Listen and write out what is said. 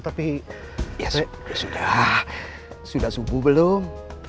tapi sudah subuh belum